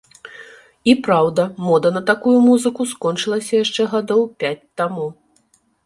І праўда, мода на такую музыку скончылася яшчэ гадоў пяць таму.